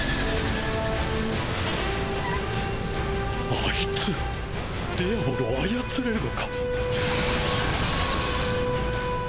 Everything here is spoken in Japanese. あいつデアボルを操れるのか！？